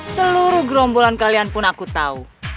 seluruh gerombolan kalian pun aku tahu